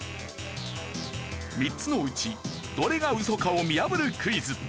３つのうちどれがウソかを見破るクイズ。